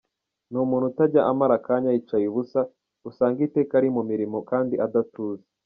Ni umuntu utajya amara akanya yicaye ubusa ,usanga iteka ari mu mirimo kandi adatuza.